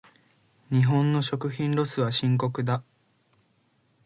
日本の食品ロスは深刻だ。